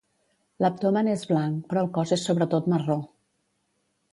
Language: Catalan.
L'abdomen és blanc, però el cos és sobretot marró.